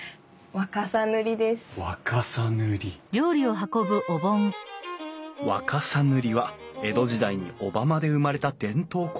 若狭塗は江戸時代に小浜で生まれた伝統工芸品。